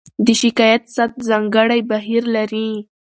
د شکایت ثبت ځانګړی بهیر لري.